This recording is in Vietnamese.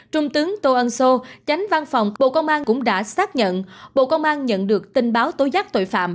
trung tướng tô ân xô chánh văn phòng bộ công an cũng đã xác nhận bộ công an nhận được tin báo tối giác tội phạm